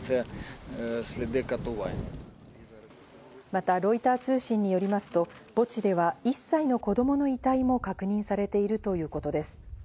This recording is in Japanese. またロイター通信によりますと、墓地では１歳の子供の遺体も確認されているということです。